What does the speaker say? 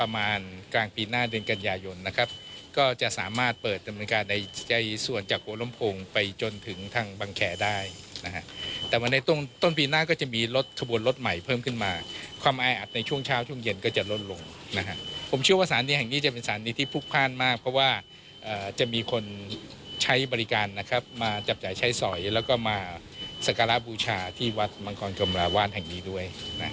มีคนใช้บริการมาจับจ่ายใช้สอยและก็มาซักการะบูชาที่วัดมังกรกำลาวาลแห่งนี้ด้วย